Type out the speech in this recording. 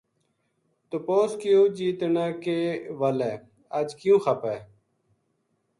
تپوس کیو جی تنا کے ول ہے اَج کیوں خپا ہے